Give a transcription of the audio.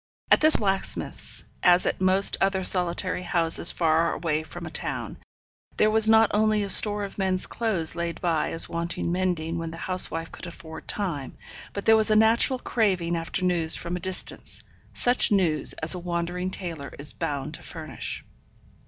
At this blacksmith's, as at most other solitary houses far away from a town, there was not only a store of men's clothes laid by as wanting mending when the housewife could afford time, but there was a natural craving after news from a distance, such news as a wandering tailor is bound to furnish.